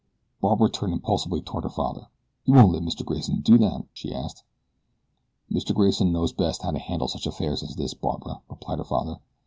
Barbara turned impulsively toward her father. "You won't let Mr. Grayson do that?" she asked. "Mr. Grayson knows best how to handle such an affair as this, Barbara," replied her father.